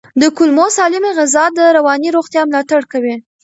د کولمو سالمه غذا د رواني روغتیا ملاتړ کوي.